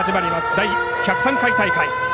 第１０３回大会。